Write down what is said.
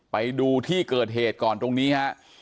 ไปดูที่เกิดเหตุก่อนตรงนี้ฮะ